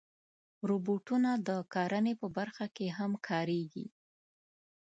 روبوټونه د کرنې په برخه کې هم کارېږي.